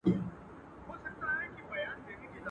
چي په ناز لوئېږي، په زيار زړېږي.